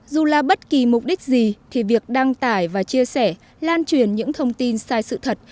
dù là bất kỳ mục đích gì thì việc đăng tải và chia sẻ lan truyền những thông tin sai sự thật